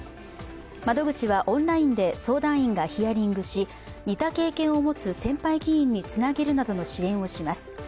窓口はオンラインで相談員がヒアリングし似た経験を持つ先輩議員につなげるなどの支援をします。